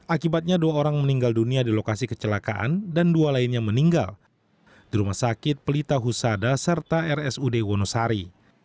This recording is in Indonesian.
akibatnya dua orang meninggal dunia di lokasi kecelakaan dan dua lainnya meninggal di rumah sakit pelita husada serta rsud wonosari